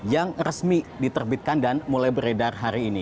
yang resmi diterbitkan dan mulai beredar